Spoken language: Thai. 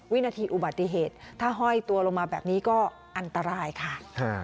วินาทีอุบัติเหตุถ้าห้อยตัวลงมาแบบนี้ก็อันตรายค่ะ